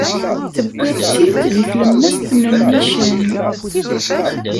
Tewwiḍ-tt-id di tlemmast n nnican.